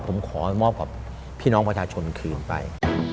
ผมขอมอบกับพี่น้องประชาชนคืนไป